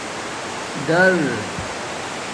ڈَر